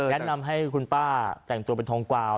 แนะนำให้คุณป้าแต่งตัวเป็นทองกวาว